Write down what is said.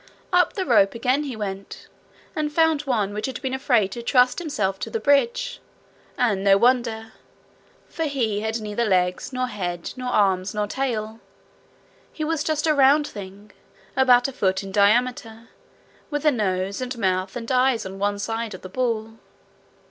Up the rope again he went, and found one which had been afraid to trust himself to the bridge, and no wonder! for he had neither legs nor head nor arms nor tail: he was just a round thing, about a foot in diameter, with a nose and mouth and eyes on one side of the ball.